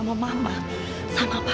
bu marijuana tuh